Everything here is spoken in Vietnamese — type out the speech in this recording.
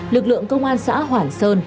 lực lượng công an xã hoảng sơn